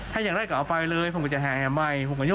ถ้าอยากได้ก็เอาไปเลยผมก็จะหายอายหายใหม่